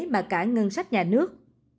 mà cả ngân sách nhà nước